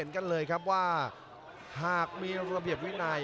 แกทำจริง